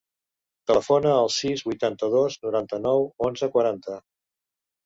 Telefona al sis, vuitanta-dos, noranta-nou, onze, quaranta.